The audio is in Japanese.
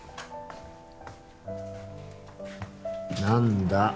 何だ？